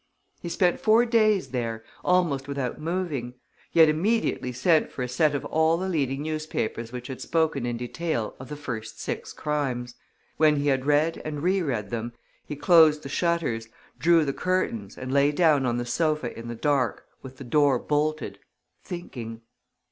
He spent four days there, almost without moving. He had immediately sent for a set of all the leading newspapers which had spoken in detail of the first six crimes. When he had read and reread them, he closed the shutters, drew the curtains and lay down on the sofa in the dark, with the door bolted, thinking.